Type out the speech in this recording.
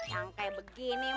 yang kaya begini mah